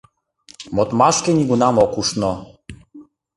Модмашке нигунам ок ушно.